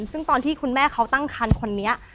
ซึ่งตอนที่คุณแม่เขาตั้งคันคนนี้